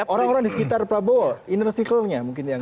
orang orang di sekitar prabowo inner cicalnya mungkin yang